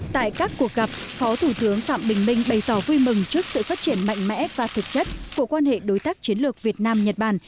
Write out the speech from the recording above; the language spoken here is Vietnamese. tại các cuộc gặp phó thủ tướng phạm bình minh bày tỏ vui mừng trước sự phát triển mạnh mẽ và thực chất của quan hệ đối tác chiến lược việt nam nhật bản